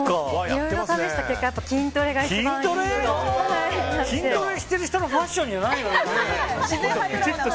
いろいろ試した結果筋トレが一番いいと。